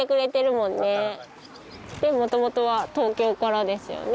もともとは東京からですよね？